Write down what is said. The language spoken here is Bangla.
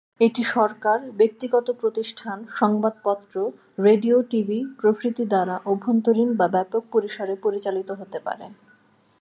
এটি সরকার, ব্যক্তিগত প্রতিষ্ঠান, সংবাদপত্র, রেডিও, টিভি প্রভৃতি দ্বারা অভ্যন্তরীণ বা ব্যপক পরিসরে পরিচালিত হতে পারে।